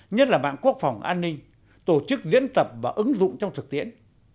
nhất là mạng quốc phòng an ninh tổ chức diễn tập và ứng dụng trong thực tiễn